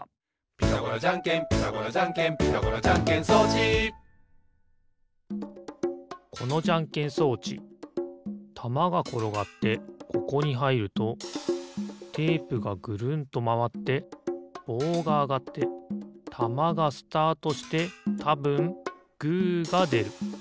「ピタゴラじゃんけんピタゴラじゃんけん」「ピタゴラじゃんけん装置」このじゃんけん装置たまがころがってここにはいるとテープがぐるんとまわってぼうがあがってたまがスタートしてたぶんグーがでる。